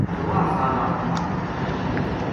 ترواں سالا ں